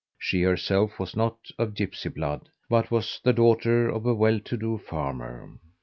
She herself was not of gipsy blood, but was the daughter of a well to do farmer.